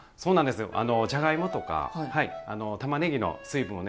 じゃがいもとかたまねぎの水分をね